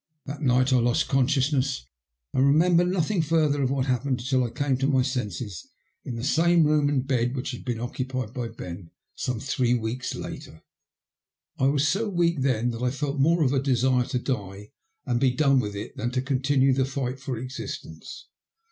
That night I lost conscious ness, and remember nothing further of what hap pened until I came to my senses, in the same room J MT CHANCE IN LIFE. 23 and bed which had been occupied by Ben, some three weeks later. I was so weak then that I felt more of a desire to die and be done with it, than to continue the fight for existence.